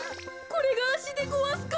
これがあしでごわすか。